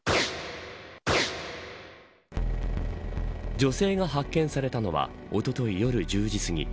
女性が発見されたのはおととい、夜１０時すぎ。